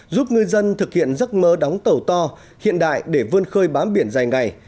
giúp ngư dân thực hiện giấc mơ đóng tàu to hiện đại để vươn khơi bám biển dài ngày